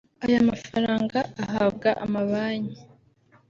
Aya mafaranga ahabwa amabanki